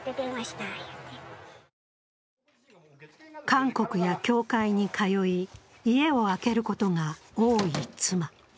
韓国や教会に通い、家を開けることが多い妻。